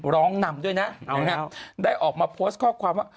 ร้องนำด้วยนะได้ออกมาโพสต์ข้อความว่า